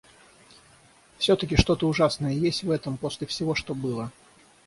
Всё-таки что-то ужасное есть в этом после всего, что было.